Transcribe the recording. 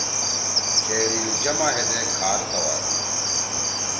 کھیریل جمع ہدے کھار سوادی۔